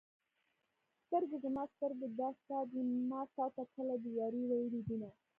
سترګې زما سترګې دا ستا دي ما تا ته کله د يارۍ ویلي دینه